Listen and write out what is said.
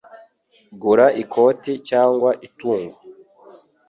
Gura ikote cyangwa itungo.